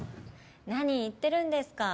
何言ってるんですか。